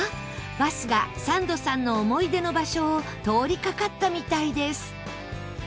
バスがサンドさんの思い出の場所を通りかかったみたいです